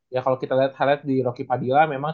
ya kalau kita lihat lihat di rocky padilla memang